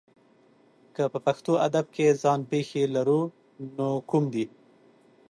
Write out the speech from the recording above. که په پښتو ادب کې ځان پېښې لرو نو کوم دي؟